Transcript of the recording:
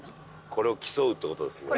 これを競うって事ですね。